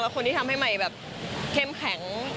คนที่ทำให้ใหม่แบบเข้มแข็ง